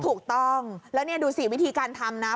ถูกต้องแล้วนี่ดูสิวิธีการทำนะ